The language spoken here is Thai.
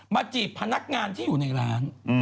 จีบพนักงานที่อยู่ในร้าน